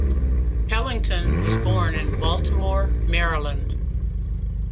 Pellington was born in Baltimore, Maryland.